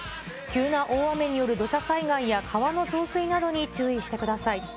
急な大雨による土砂災害や川の増水などに注意してください。